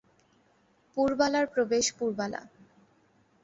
পুরবালার প্রবেশ পুরবালা।